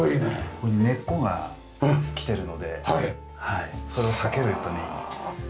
ここに根っこがきてるのでそれを避けるために。